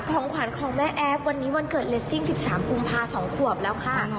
ของขวัญของแม่แอฟวันนี้วันเกิดเลสซิ่ง๑๓กุมภา๒ขวบแล้วค่ะ